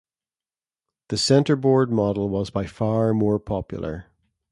The centerboard model was by far more popular.